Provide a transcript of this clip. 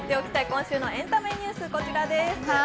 今週のエンタメニュース、こちらです。